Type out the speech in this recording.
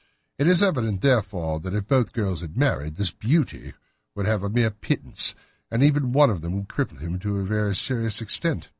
It is evident, therefore, that if both girls had married, this beauty would have had a mere pittance, while even one of them would cripple him to a very serious extent.